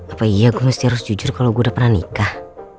apa iya gua harus jujur kalo gua udah pernah nikah